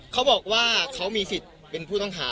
เขาบอกว่าเขามีสิทธิ์เป็นผู้ต้องหา